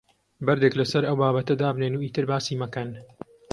بەردێک لەسەر ئەو بابەتە دابنێن و ئیتر باسی مەکەن.